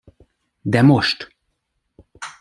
De most!